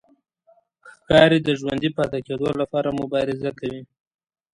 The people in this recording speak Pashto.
ښکاري د ژوندي پاتې کېدو لپاره مبارزه کوي.